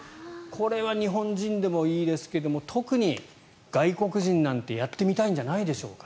これは日本人でもいいですが特に外国人なんてやってみたいんじゃないでしょうか。